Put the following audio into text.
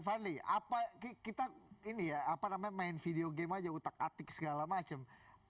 fadli apa kita ini ya apa namanya main video game aja utak atik segala macam